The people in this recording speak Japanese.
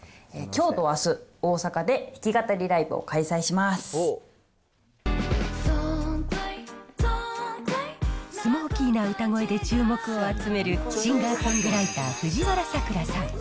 きょうとあす、大阪で弾き語りラスモーキーな歌声で注目を集める、シンガーソングライター、藤原さくらさん。